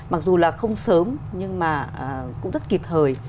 mặc dù là không sớm nhưng mà cũng rất kịp thời